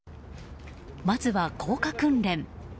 まずは、降下訓練。